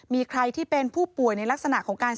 มีใครที่เป็นผู้ป่วยในลักษณะของการ